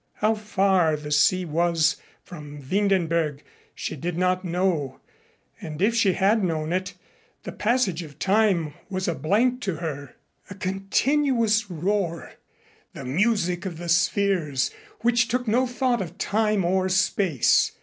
How far the sea was from Windenberg she did not know, and if she had known it, the passage of time was a blank to her a continuous roar, the music of the spheres which took no thought of time or space.